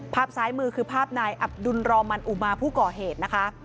ภาพซ้ายมือคือภาพนายอับดุลรอมันอุมาผู้ก่อเหตุนะคะ